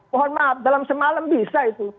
mohon maaf dalam semalam bisa itu